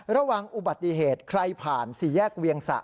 ระวังอุบัติเหตุใครผ่านสี่แยกเวียงสะ